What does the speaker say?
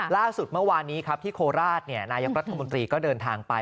ล่าสุดเมื่อวานนี้ครับที่โคราชนายกรัฐมนตรีก็เดินทางไป